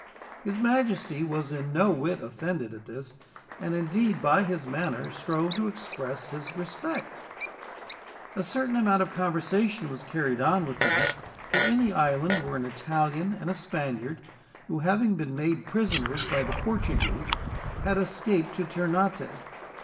His majesty was in no whit offended at this: and indeed, by his manner, strove to express his respect. A certain amount of conversation was carried on with him, for in the island were an Italian and a Spaniard; who, having been made prisoners by the Portuguese, had escaped to Ternate.